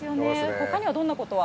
ほかにはどんなことが？